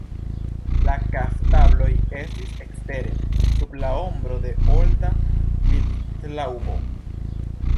La kaftabloj estis ekstere, sub la ombro de olda vitlaŭbo.